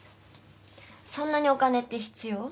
そんなにお金って必要？